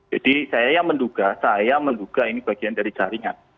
jadi saya yang menduga saya menduga ini bagian dari jaringan